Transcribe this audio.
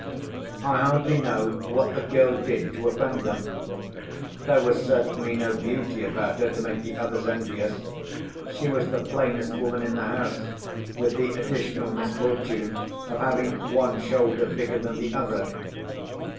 I hardly know what the girl did to offend them. There was certainly no beauty about her to make the others envious; she was the plainest woman in the house, with the additional misfortune of having one shoulder bigger than the other.